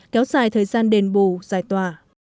kéo dài thời gian đền bù giải tỏa